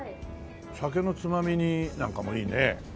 酒のつまみになんかもいいね。